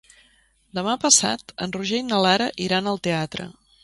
Demà passat en Roger i na Lara iran al teatre.